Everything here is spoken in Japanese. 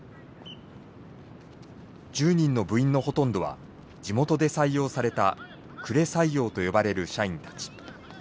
１０人の部員のほとんどは地元で採用された呉採用と呼ばれる社員たち。